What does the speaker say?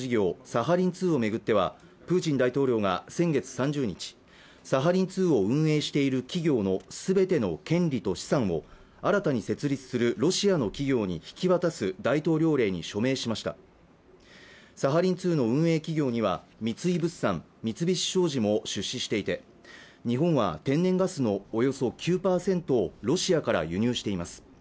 サハリン２を巡ってはプーチン大統領が先月３０日サハリン２を運営している企業のすべての権利と資産を新たに設立するロシアの企業に引き渡す大統領令に署名しましたサハリン２の運営企業には三井物産、三菱商事も出資していて日本は天然ガスのおよそ９％をロシアから輸入しています